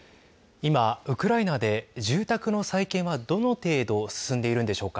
今ウクライナで住宅の再建はどの程度進んでいるんでしょうか。